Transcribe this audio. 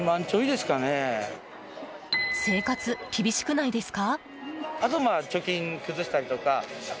生活、厳しくないですか？